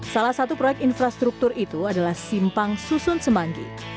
salah satu proyek infrastruktur itu adalah simpang susun semanggi